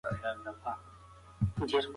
ايا اوبه د کرني لپاره کافي دي؟